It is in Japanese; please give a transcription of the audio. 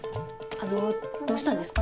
あのどうしたんですか？